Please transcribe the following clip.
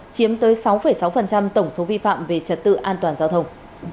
chiếm tới sáu sáu tổng số vi phạm về trật tự an toàn giao thông